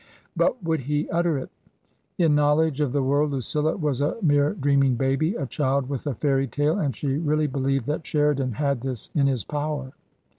But would he utter it ? In knowledge of the world Lucilla was a mere dream ing baby, a child with a fairy tale ; and she really believed that Sheridan had this in his power.